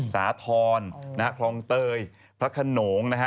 สาธรณ์นะฮะคลองเตยพระขนงนะฮะ